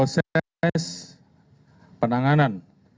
saya akan membuat proses penanganan